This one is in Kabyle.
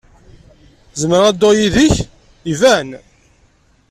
Zemreɣ ad dduɣ yid-k? Iban!